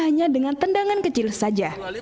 hanya dengan tendangan kecil saja